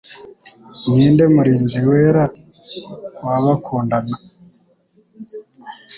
Ninde Murinzi Wera Wabakundana?